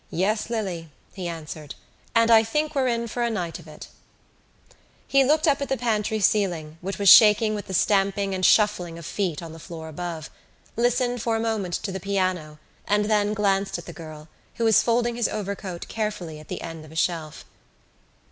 "Yes, Lily," he answered, "and I think we're in for a night of it." He looked up at the pantry ceiling, which was shaking with the stamping and shuffling of feet on the floor above, listened for a moment to the piano and then glanced at the girl, who was folding his overcoat carefully at the end of a shelf.